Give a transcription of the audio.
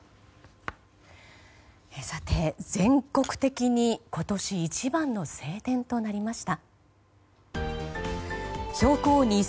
全国的に今年一番の晴天となりました。